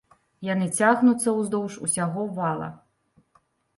Яны цягнуцца ўздоўж усяго вала.